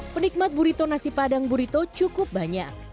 penikmat burito nasi padang burito cukup banyak